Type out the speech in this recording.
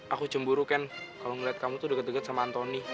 aku cemburu kan kalau ngeliat kamu tuh deket deket sama anthony